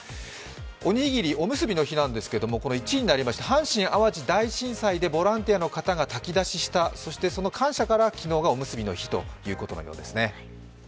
おむすびの日なんですけど、１位になりました阪神・淡路大震災でボランティアの方が炊き出しした、その感謝から昨日はおむすびの日ということのようです。